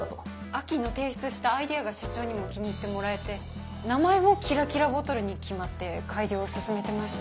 亜季の提出したアイデアが社長にも気に入ってもらえて名前も「キラキラボトル」に決まって改良を進めてました。